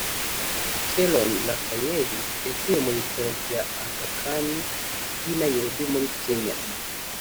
Keron Raphael yaguye mu bitaro bya Aga Khan by’i Nairobi muri Kenya